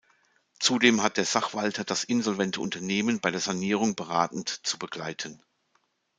Zudem hat der Sachwalter das insolvente Unternehmen bei der Sanierung beratend zu begleiten.